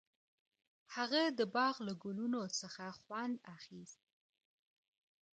هغه د باغ له ګلونو څخه خوند اخیست.